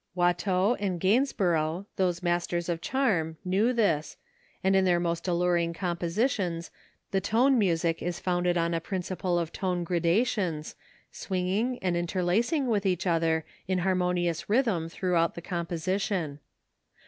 Watteau and Gainsborough, those masters of charm, knew this, and in their most alluring compositions the tone music is founded on a principle of tone gradations, swinging and interlacing with each other in harmonious rhythm throughout the composition.